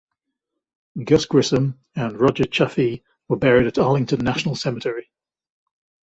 Gus Grissom and Roger Chaffee were buried at Arlington National Cemetery.